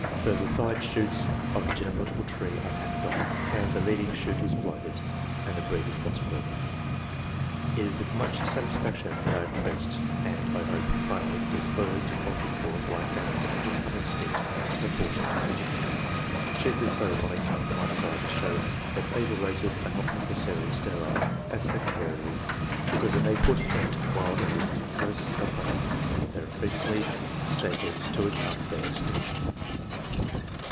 So the side shoots of the genealogical tree are hacked off, THEIR INFLUENCE UPON RACE 133 and the leading shoot is blighted, and the breed is lost for ever. It is with much satisfaction that I have traced and, I hope, finally disposed of the cause why families are apt to become extinct in proportion to their dignity chiefly so, on account of my desire to show that able races are not necessarily sterile, and secondarily because it may put an end to the wild and ludicrous hypotheses that are frequently started to account for their extinction.